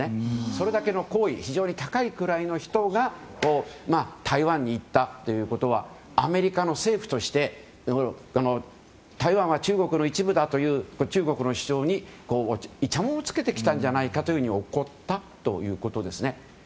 それだけの高位高い位の人が台湾に行ったということはアメリカの政府として台湾が中国の一部だという中国の主張にいちゃもんをつけてきたんじゃないかと怒ったということですね。